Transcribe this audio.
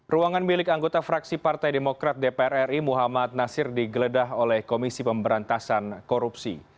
ruangan milik anggota fraksi partai demokrat dpr ri muhammad nasir digeledah oleh komisi pemberantasan korupsi